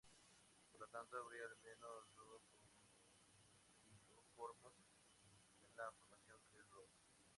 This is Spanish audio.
Por lo tanto, habría al menos dos crocodilomorfos en la Formación Glen Rose.